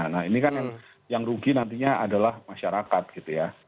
nah ini kan yang rugi nantinya adalah masyarakat gitu ya